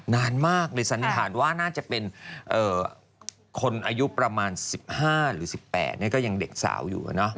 นานมากเลยสันนิษฐานว่าน่าจะเป็นคนอายุประมาณ๑๕หรือ๑๘ก็ยังเด็กสาวอยู่